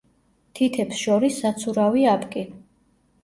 თითებს შორის საცურავი აპკი.